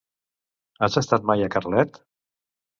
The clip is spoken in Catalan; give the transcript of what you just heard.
Has estat mai a Carlet?